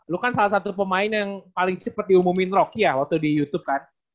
lu kan salah satu pemain yang paling cepat diumumin rocky ya waktu di youtube kan